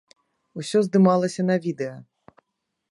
Усё здымалася на відэа.